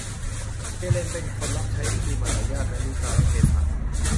เฮเลนเป็นคนรับใช้ที่มีมารยาทและรู้กาลเทศะ